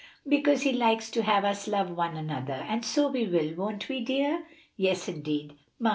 "Because he likes to have us love one another. And so we will, won't we, dear?" "Yes, indeed!